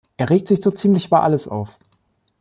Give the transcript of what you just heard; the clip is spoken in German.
Er regt sich so ziemlich über alles auf.